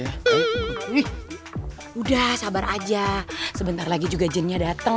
ih udah sabar aja sebentar lagi juga jennya dateng